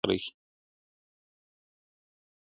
حیوانان یې پلټل په سمه غره کي-